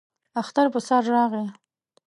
اختر پر سر راغی.